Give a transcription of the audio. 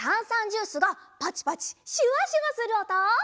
ジュースがパチパチシュワシュワするおと？